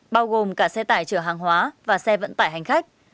bao gồm cả xe tải chở hàng hóa và xe vận tải hành khách